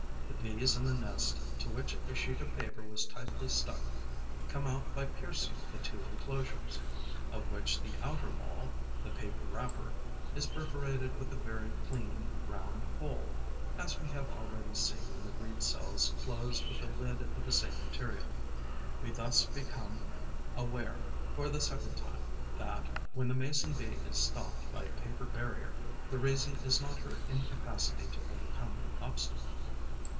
The Bees in the nest to which a sheet of paper was tightly stuck come out by piercing the two enclosures, of which the outer wall, the paper wrapper, is perforated with a very clean round hole, as we have already seen in the reed cells closed with a lid of the same material. We thus become aware, for the second time, that, when the Mason bee is stopped by a paper barrier, the reason is not her incapacity to overcome the obstacle.